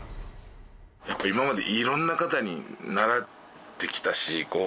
やっぱ今までいろんな方に習ってきたしこう